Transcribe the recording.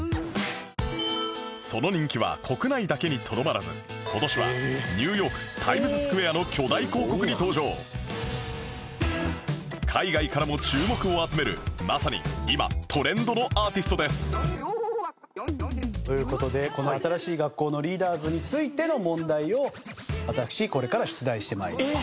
その人気は国内だけにとどまらず今年はニューヨーク海外からも注目を集めるまさに今トレンドのアーティストですという事でこの新しい学校のリーダーズについての問題を私これから出題して参ります。